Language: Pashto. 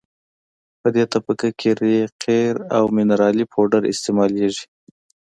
په دې طبقه کې ریګ قیر او منرالي پوډر استعمالیږي